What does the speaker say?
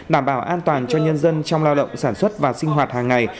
đảm bảo an toàn cho nhân dân trong lao động sản xuất và sinh hoạt hàng ngày